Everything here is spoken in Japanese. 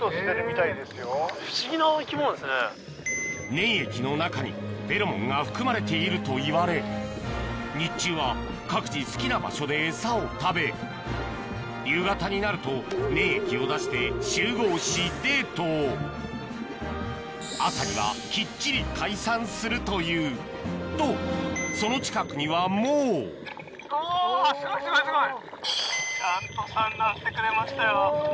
粘液の中にフェロモンが含まれているといわれ日中は各自好きな場所でエサを食べ夕方になると粘液を出して集合しデートを朝にはきっちり解散するというとその近くにはもういわゆる。